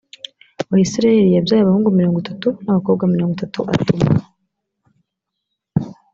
wa isirayeli yabyaye abahungu mirongo itatu n abakobwa mirongo itatu atuma